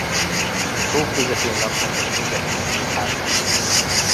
A tó közepén laknak egy szigeten épült házban.